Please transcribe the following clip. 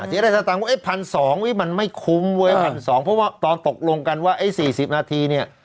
เสียดายสตางค์ว่าไอ้ผันสองมันไม่คุ้มเว้ยเออผันสองเพราะตอนตกลงกันว่าไอ้สี่สิบนาทีเนี้ย